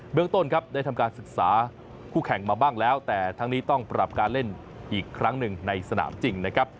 เมืองต้นครับได้ทำการศึกษาคู่แข่งมาบ้างแล้วแต่ทั้งนี้ต้องปรับการเล่นอีกครั้งหนึ่งในสนามจริงนะครับ